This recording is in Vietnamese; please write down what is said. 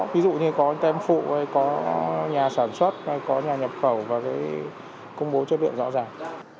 ví dụ như có anh tên phụ hay có nhà sản xuất hay có nhà nhập khẩu và cái công bố chất lượng rõ ràng